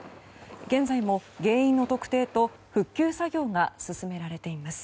現在も原因の特定と復旧作業が進められています。